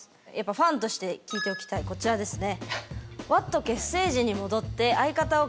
ファンとして聞いておきたいこちらですね。